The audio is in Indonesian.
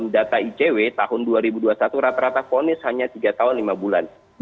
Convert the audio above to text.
data icw tahun dua ribu dua puluh satu rata rata ponis hanya tiga tahun lima bulan